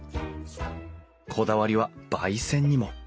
こだわりは焙煎にも。